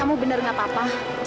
kamu benar gak apa apa